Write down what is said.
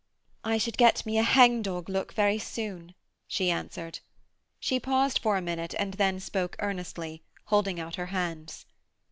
'I should get me a hang dog look very soon,' she answered. She paused for a minute and then spoke earnestly, holding out her hands.